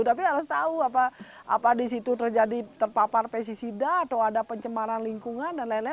tapi harus tahu apa di situ terjadi terpapar pesisida atau ada pencemaran lingkungan dan lain lain